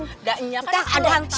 gak nyiap kan puluhan tahun